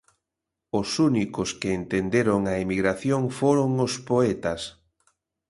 Os únicos que entenderon a emigración foron os poetas.